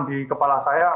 di kepala saya